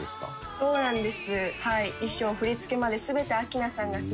そうなんです。